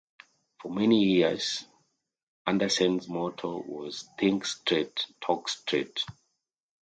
For many years, Andersen's motto was Think straight, talk straight.